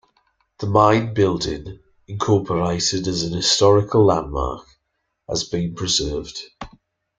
The main building, incorporated as an historical landmark, has been preserved.